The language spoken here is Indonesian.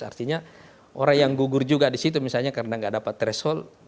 artinya orang yang gugur juga di situ misalnya karena tidak dapat threshold